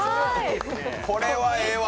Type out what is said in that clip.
これはええわ